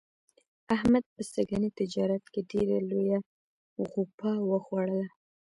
احمد په سږني تجارت کې ډېره لویه غوپه و خوړله.